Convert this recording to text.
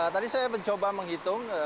tadi saya mencoba menghitung